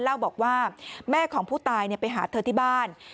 เล่าบอกว่าแม่ของผู้ตายไปหาเธอที่บ้าน